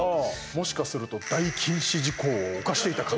もしかすると大禁止事項を犯していたかも。